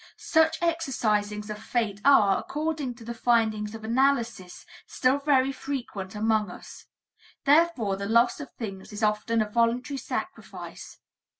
Such exorcisings of fate are, according to the findings of analysis, still very frequent among us; therefore, the loss of things is often a voluntary sacrifice.